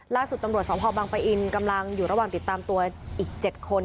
ล่าสุดตำรวจสพบังปะอินกำลังอยู่ระหว่างติดตามตัวอีก๗คน